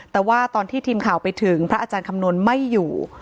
แต่ว่าตอนที่ทีมข่าวไปถึงพระอาจารย์คำนวณไม่อยู่